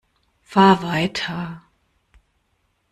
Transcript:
Fahr weiter!